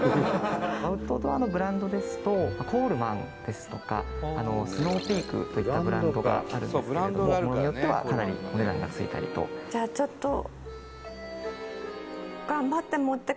「アウトドアのブランドですとコールマンですとかスノーピークといったブランドがあるんですけれども物によってはかなりお値段がついたりと」「頑張って持って